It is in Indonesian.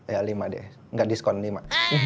ya lima deh nggak diskon lima